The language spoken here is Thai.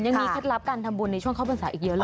เคล็ดลับการทำบุญในช่วงเข้าพรรษาอีกเยอะเลย